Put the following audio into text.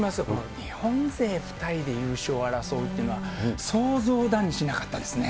日本勢２人で優勝を争うっていうのは、想像だにしなかったですね。